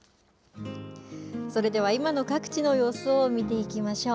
それでは今の各地の様子を見ていきましょう。